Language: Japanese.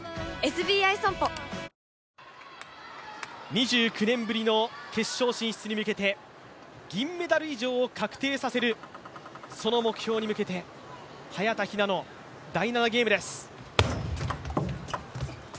２９年ぶりの決勝進出に向けて銀メダル以上を確定させる、その目標に向けて、早田ひなの第７ゲームです。